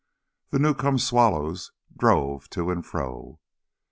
The new come swallows drove to and fro.